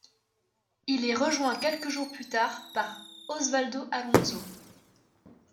Il est rejoint quelques jours plus tard par Osvaldo Alonso.